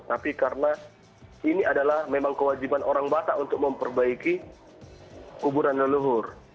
tapi karena ini adalah memang kewajiban orang batak untuk memperbaiki kuburan leluhur